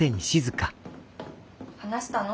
・話したの？